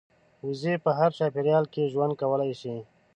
وزې په هر چاپېریال کې ژوند کولی شي